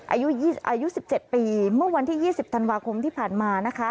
อายุ๑๗ปีเมื่อวันที่๒๐ธันวาคมที่ผ่านมานะคะ